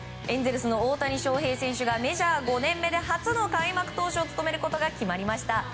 エンゼルスの大谷翔平選手がメジャー５年目で初の開幕投手を務めることが決まりました。